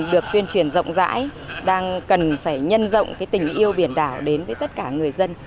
được tuyên truyền rộng rãi đang cần phải nhân rộng tình yêu biển đảo đến với tất cả người dân